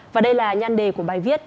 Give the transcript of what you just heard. và đây là nhan đề của bài viết